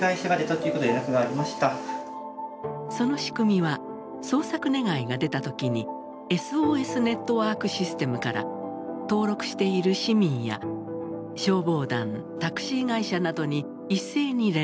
その仕組みは捜索願が出た時にＳＯＳネットワークシステムから登録している市民や消防団タクシー会社などに一斉に連絡。